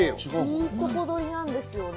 いいとこ取りなんですよね。